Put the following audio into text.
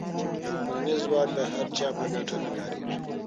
ټولنیز ځواک د هر چا په ګټه نه کارېږي.